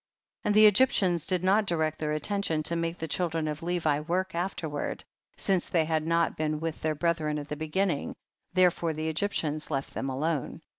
34. And the Egyptians did not direct their attention to make the children of Levi work afterward, since they had not been with their brethren at the beginning, therefore the Egyptians left them alone.